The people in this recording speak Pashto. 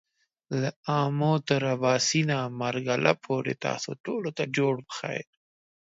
له آمو تر آباسينه ، مارګله پورې تاسو ټولو ته جوړ پخير !